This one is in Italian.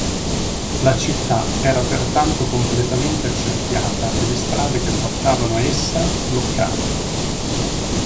La città era pertanto completamente accerchiata e le strade che portavano a essa bloccate.